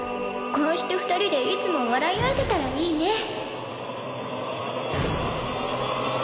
こうして２人でいつも笑い合えてたらいいね